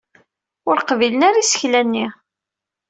Ur qbilen ara isefka-nni.